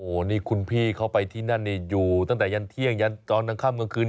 โอ้โหนี่คุณพี่เขาไปที่นั่นนี่อยู่ตั้งแต่ยันเที่ยงยันตอนกลางค่ำกลางคืน